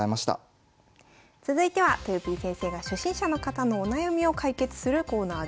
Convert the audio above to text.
続いてはとよぴー先生が初心者の方のお悩みを解決するコーナーです。